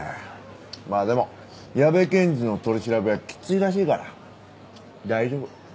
まあでも矢部検事の取り調べはきついらしいから大丈夫。